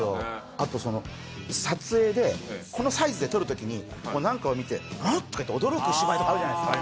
あとその撮影でこのサイズで撮る時に何かを見て「うんっ！？」とか言って驚く芝居あるじゃないですか